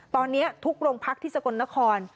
ตอนนี้ทุกโรงพักที่สกลนคร